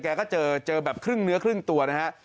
ก็เจอเจอแบบครึ่งเนื้อครึ่งตัวนะฮะ